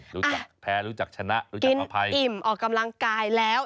รู้จักแพ้รู้จักชนะรู้จักอิ่มออกกำลังกายแล้ว